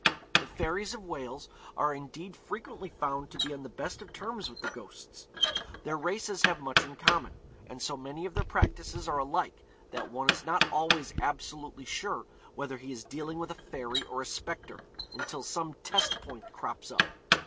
The fairies of Wales are indeed frequently found to be on the best of terms with the ghosts. Their races have much in common, and so many of their practices are alike that one is not always absolutely sure whether he is dealing with a fairy or a spectre, until some test point crops up.